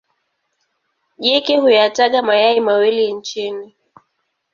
Jike huyataga mayai mawili chini.